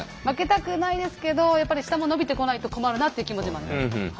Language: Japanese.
負けたくないですけどやっぱり下も伸びてこないと困るなっていう気持ちもあります。